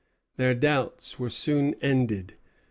Their doubts were soon ended.